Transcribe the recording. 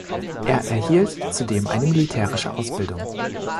Er erhielt zudem eine militärische Ausbildung.